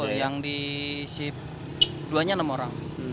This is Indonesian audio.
iya enam puluh yang di shift duanya enam orang